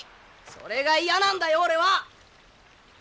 それが嫌なんだよ俺は！